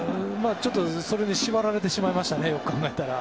それに縛られてしまいましたねよく考えたら。